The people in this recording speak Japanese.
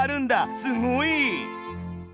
すごい！